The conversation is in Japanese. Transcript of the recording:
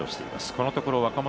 このところ若元